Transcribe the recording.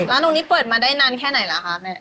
ร้านโรงนี้เปิดมาได้นานแค่ไหนล่ะคะแม่